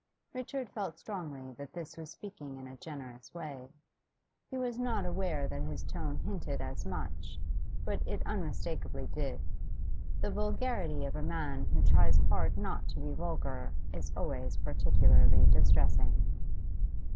Richard felt strongly that this was speaking in a generous way. He was not aware that his tone hinted as much, but it unmistakably did. The vulgarity of a man who tries hard not to be vulgar is always particularly distressing.